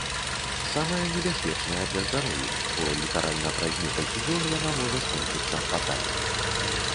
Самая небяспечная для здароўя, бо літаральна праз некалькі дзён яна можа скончыцца фатальна.